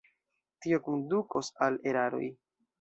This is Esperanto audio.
Tio kondukos al eraroj.